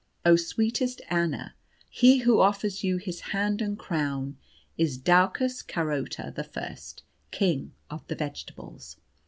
Oh, sweetest Anna, he who offers you his hand and crown is Daucus Carota the First, King of the Vegetables.